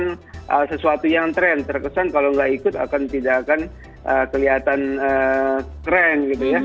nah sesuatu yang trend terkesan kalau tidak ikut akan tidak akan kelihatan trend gitu ya